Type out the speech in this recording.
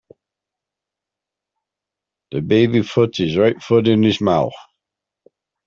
The baby puts his right foot in his mouth.